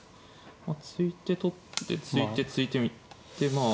まあ突いて取って突いて突いてでまあ。